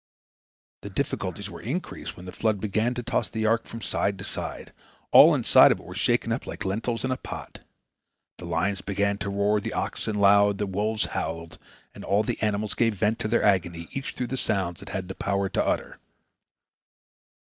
" The difficulties were increased when the flood began to toss the ark from side to side. All inside of it were shaken up like lentils in a pot. The lions began to roar, the oxen lowed, the wolves howled, and all the animals gave vent to their agony, each through the sounds it had the power to utter.